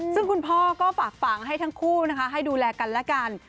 ซึ่งคุณพ่อก็ฝากฝังให้ทั้งคู่นะคะให้ดูแลกันและกัน